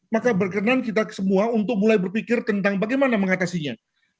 maka berkenan kita semua untuk mulai berpikir tentang bagaimana mengatasinya